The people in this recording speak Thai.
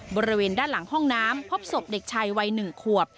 บริเวณด้านหลังห้องน้ำพบศพเด็กชายวัย๑ขวบ